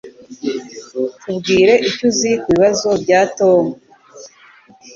Tubwire icyo uzi kubibazo bya Tom